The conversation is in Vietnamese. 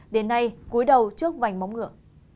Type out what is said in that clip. đến nay cuối đầu trước vành móng ngựa